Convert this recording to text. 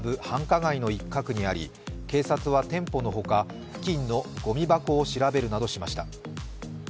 繁華街の一角にあり、警察は店舗のほか付近のごみ箱を調べるなどしました。